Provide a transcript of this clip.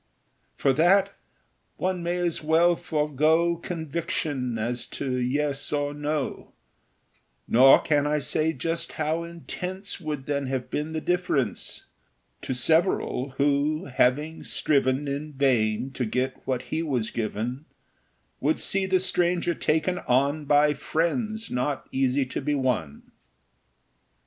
For that, one may as well forego Conviction as to yes or no; Nor can I say just how intense Would then have been the difference To several, who, having striven In vain to get what he was given, Would see the stranger taken on By friends not easy to be won.